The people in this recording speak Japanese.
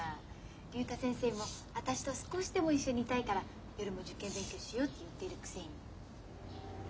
竜太先生も私と少しでも一緒にいたいから夜も受験勉強しようって言ってるくせに。